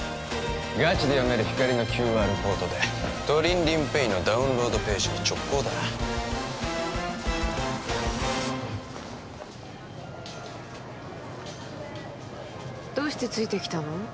ガチで読める光のＱＲコードでトリンリンＰａｙのダウンロードページに直行だどうしてついてきたの？